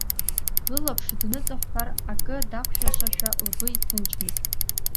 Лылаԥш дныҵҳәҳәар, акы дақәшәашашәа лгәы изҭынчмызт.